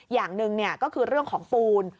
อย่างหนึ่งก็คือเรื่องของปูน